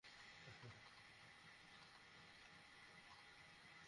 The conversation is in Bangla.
তোমার সরি বলা লাগবে না।